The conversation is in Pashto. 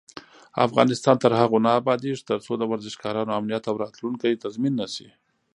افغانستان تر هغو نه ابادیږي، ترڅو د ورزشکارانو امنیت او راتلونکی تضمین نشي.